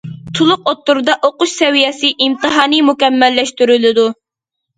تولۇق ئوتتۇرىدا ئوقۇش سەۋىيەسى ئىمتىھانى مۇكەممەللەشتۈرۈلىدۇ.